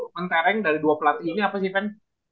mentereng dari dua pelatih ini apa sih van